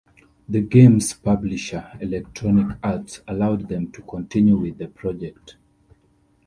The game's publisher Electronic Arts allowed them to continue with the project.